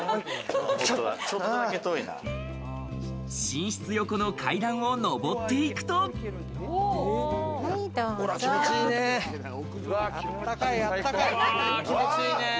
寝室横の階段を上っていくと気持ち良いね。